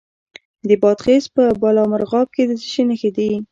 د بادغیس په بالامرغاب کې د څه شي نښې دي؟